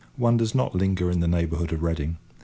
One does not linger in the neighbourhood of Reading.